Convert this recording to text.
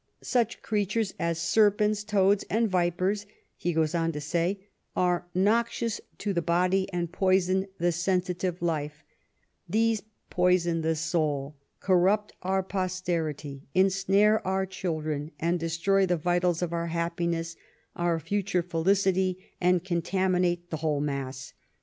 Such creatures as serpents, toads, and vipers, he goes on to say, ^^ are noxious to the body and poison the sensitive life — these poison the soul, corrupt our posterity, ensnare our children, destroy the vitals of our happiness, our future felicity, and contaminate the whole mass."